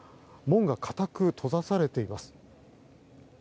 門が固く閉ざされています。